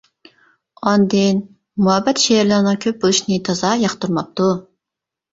ئاندىن مۇھەببەت شېئىرلىرىنىڭ كۆپ بولۇشىنى تازا ياقتۇرماپتۇ.